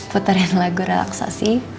puterian lagu reaksasi